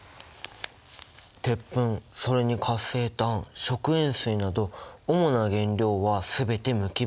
鉄粉それに活性炭食塩水など主な原料は全て無機物質。